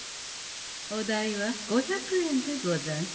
お代は５００円でござんす。